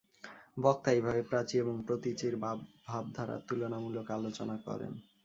বক্তা এইভাবে প্রাচী এবং প্রতীচীর ভাবধারার তুলনামূলক আলোচনা করেন।